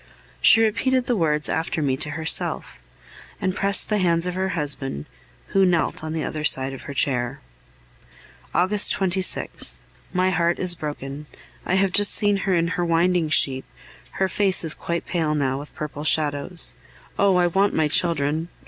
She repeated the words after me to herself, and pressed the hands of her husband, who knelt on the other side of the chair. August 26th. My heart is broken. I have just seen her in her winding sheet; her face is quite pale now with purple shadows. Oh! I want my children!